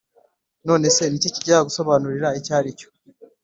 none se ni iki kizagusobanurira icyo ari cyo?